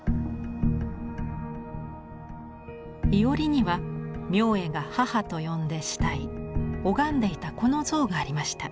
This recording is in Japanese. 庵には明恵が母と呼んで慕い拝んでいたこの像がありました。